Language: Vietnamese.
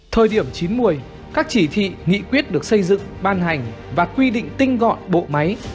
thời điểm chín mươi các chỉ thị nghị quyết được xây dựng ban hành và quy định tinh gọn bộ máy